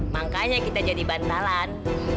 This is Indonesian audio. makanya kita jadi bantalan